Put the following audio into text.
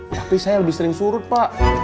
tapi saya lebih sering surut pak